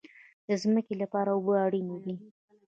د ځمکې لپاره اوبه اړین دي